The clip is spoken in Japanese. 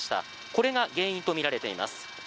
これが原因とみられています。